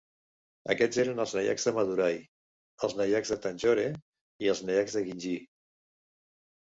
Aquests eren els Nayaks de Madurai, els Nayaks de Tanjore i els Nayaks de Gingee.